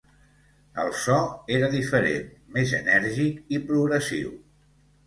El so era diferent, més enèrgic i progressiu.